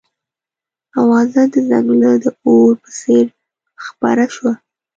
اوازه د ځنګله د اور په څېر خپره شوه.